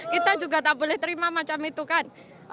kita juga tak boleh terima macam itu kan